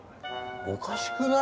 おかしくない？